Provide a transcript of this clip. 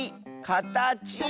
「かたち」！